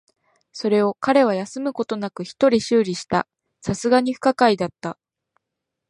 それを彼は休むことなく一人修理した。流石に不可解だった。